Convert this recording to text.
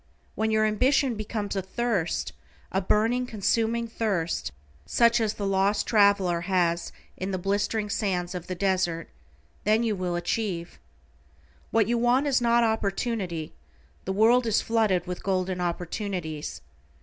When your ambition becomes a thirst, a burning consuming thirst, such as the lost traveler has in the blistering sands of the desert, then you will achieve. What you want is not opportunity, the world is flooded with golden opportunities.